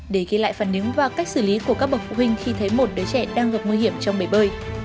để ghi lại phần nếm và cách xử lý của các bậc phụ huynh khi thấy một đứa trẻ đang gặp nguy hiểm trong bể bơi